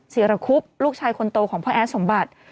ศิรคุบลูกชายคนโตของพ่อแอดสมบัติ